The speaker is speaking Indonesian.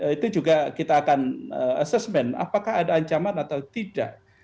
itu juga kita akan assessment apakah ada ancaman atau tidak